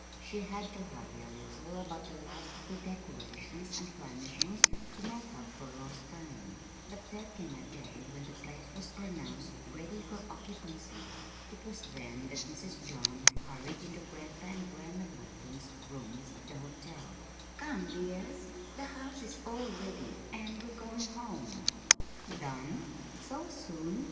She had to hurry a little about the last of the decorations and furnishings to make up for lost time; but there came a day when the place was pronounced ready for occupancy. It was then that Mrs. John hurried into Grandpa and Grandma Burton's rooms at the hotel. "Come, dears," she said gayly. "The house is all ready, and we're going home." "Done? So soon?"